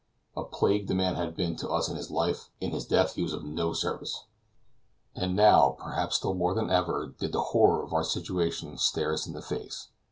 A plague the man had been to us in his life; in his death he was now of no service! And now, perhaps still more than ever, did the horror of our situation stare us in the face.